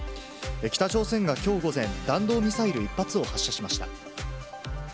北朝鮮がきょう午前、弾道ミサイル１発を発射しました。